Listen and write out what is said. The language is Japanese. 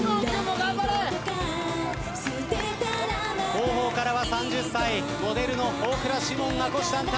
後方からは３０歳モデルの大倉士門が虎視眈々